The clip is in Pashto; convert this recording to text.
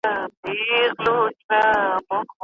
ایا تاسي د لوبې په قانون پوهېږئ؟